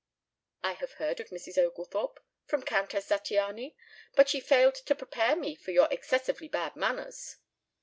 "I have heard of Mrs. Oglethorpe from Countess Zattiany. But she failed to prepare me for your excessively bad manners."